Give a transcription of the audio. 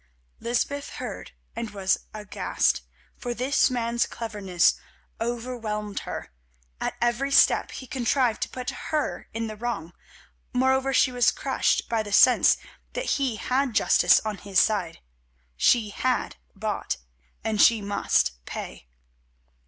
Lysbeth heard and was aghast, for this man's cleverness overwhelmed her. At every step he contrived to put her in the wrong; moreover she was crushed by the sense that he had justice on his side. She had bought and she must pay.